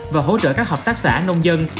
và hỗ trợ các hợp tác xã nông dân